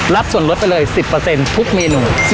รับส่วนลดไปเลย๑๐ทุกเมนู